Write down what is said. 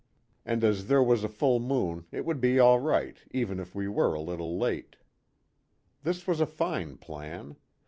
And as there was a full moon it would be all right even if we were a little late. This was a fine plan.